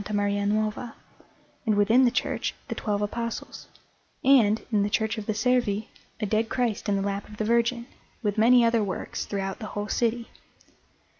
Maria Nuova, and, within the church, the twelve Apostles; and, in the Church of the Servi, a Dead Christ in the lap of the Virgin, with many other works throughout the whole city.